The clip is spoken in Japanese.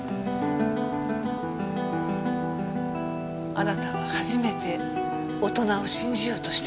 あなたは初めて大人を信じようとした。